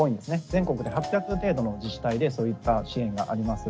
全国で８００程度の自治体でそういった支援があります。